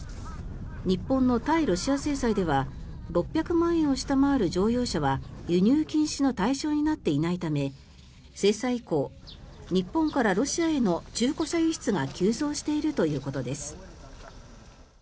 日本の対ロシア制裁では６００万円を下回る乗用車は輸入禁止の対象になっていないため制裁以降、日本からロシアへの中古車輸出が急増しているということです。